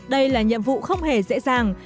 đây là nhiệm vụ không hề dễ dàng